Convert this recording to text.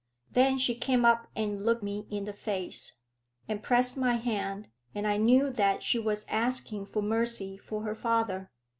Then she came up and looked me in the face, and pressed my hand, and I knew that she was asking for mercy for her father.